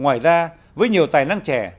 ngoài ra với nhiều tài năng trẻ